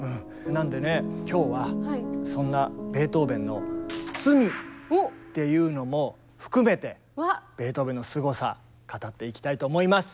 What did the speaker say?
なんでね今日はそんなベートーベンの罪っていうのも含めてベートーベンのすごさ語っていきたいと思います。